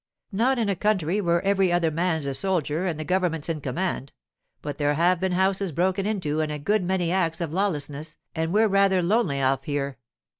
'Not in a country where every other man's a soldier and the government's in command. But there have been houses broken into and a good many acts of lawlessness, and we're rather lonely off here.